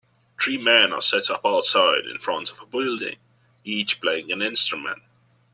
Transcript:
Three men are set up outside in front of a building, each playing an instrument.